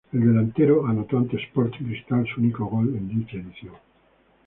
El delantero anotó ante Sporting Cristal su único gol en dicha edición.